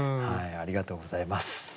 ありがとうございます。